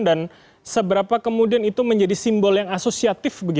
dan seberapa kemudian itu menjadi simbol yang asosiatif